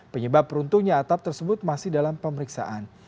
penyebab runtuhnya atap tersebut masih dalam pemeriksaan